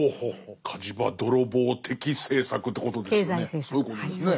火事場泥棒的政策ということですね。